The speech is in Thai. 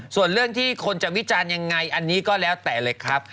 ส่วนเรื่องที่คนจะวิจารณ์ยังไงอันนี้ก็แล้วแต่เลยครับ